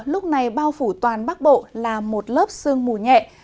lúc này bao phủ toàn bắc bộ là một lớp sương mù nhẹ